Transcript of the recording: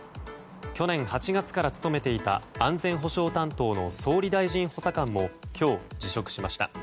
去年８月から務めていた安全保障担当の総理大臣補佐官も今日辞職しました。